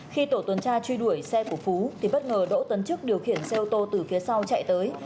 khi tổ tuần tra truy đuổi xe của phú thì bất ngờ đỗ tấn trước điều khiển xe ô tô từ phía sau chạy tới